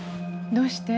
どうして？